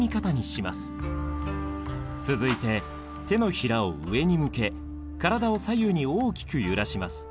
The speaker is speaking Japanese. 続いて手のひらを上に向け体を左右に大きく揺らします。